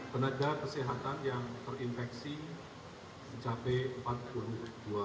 tenaga kesehatan yang terinfeksi mencapai empat puluh